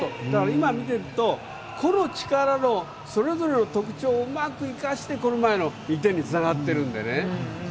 今、見ていると個の力のそれぞれの特徴をうまく生かして、この前の１点につながっているのでね。